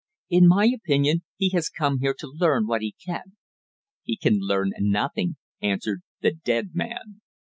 "In my opinion he has come here to learn what he can." "He can learn nothing," answered the "dead" man.